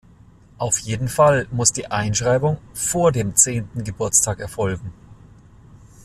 Auf jeden Fall muss die Einschreibung vor dem zehnten Geburtstag erfolgen.